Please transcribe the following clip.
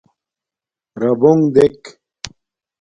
رَبݸݣ دݵک.